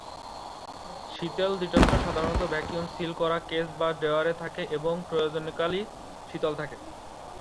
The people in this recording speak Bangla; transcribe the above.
শীতল ডিটেক্টর সাধারণত ভ্যাকুয়াম সিল করা কেস বা ডেওয়ারে থাকে এবং ক্রায়োজেনিক্যালি শীতল থাকে।